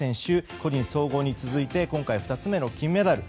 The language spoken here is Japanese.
個人総合に続いて今回、２つ目の金メダル。